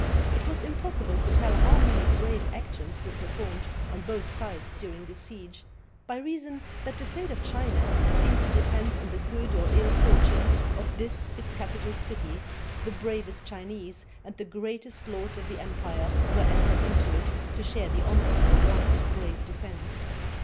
It was impossible to tell how many brave actions were performed on both sides during this siege, by reason that the fate of China seeming to depend on the good or ill fortime of this its capital city, the bravest Chinese and greatest lords of the empire were entered into it to share the honor of the long and brave defense.